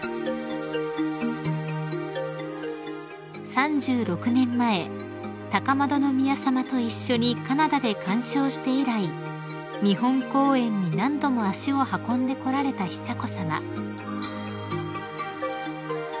［３６年前高円宮さまと一緒にカナダで鑑賞して以来日本公演に何度も足を運んでこられた久子さま］